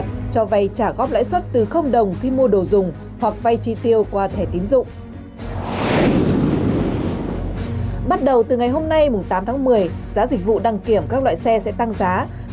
theo đó giá dịch vụ đăng kiểm các loại xe sẽ tăng giá